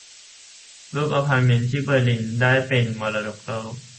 รูปอพาร์ตเมนต์ที่เบอร์ลิน ที่ได้เป็นมรดกโลก